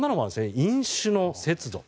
飲酒の節度。